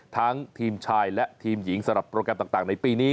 ทั้งทีมชายและทีมหญิงสำหรับโปรแกรมต่างในปีนี้